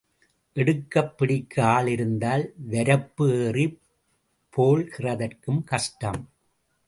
எடுக்கப் பிடிக்க ஆள் இருந்தால் வரப்பு ஏறிப் பேள்கிறதற்கும் கஷ்டம்.